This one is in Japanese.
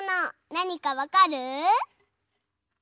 なにかわかる？